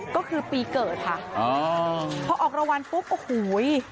ก็คือปีเกิดค่ะพอออกรางวัลปุ๊บโอ้โห